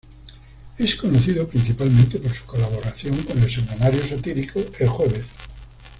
Es conocido principalmente por su colaboración con el semanario satírico "El Jueves".